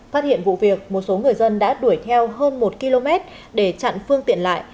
phát hiện vụ việc một số người dân đã đuổi theo hơn một km để chặn phương tiện lại